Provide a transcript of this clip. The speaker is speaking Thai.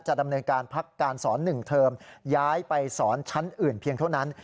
ดำเนินการพักการสอน๑เทอมย้ายไปสอนชั้นอื่นเพียงเท่านั้น